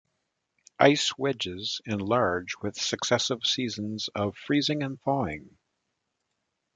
Ice wedges enlarge with successive seasons of freezing and thawing.